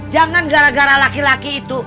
jangan gara gara laki laki itu